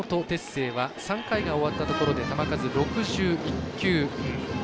星は３回が終わったところで球数６１球。